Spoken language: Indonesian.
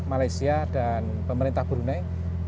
malaysia dan pemerintah brunei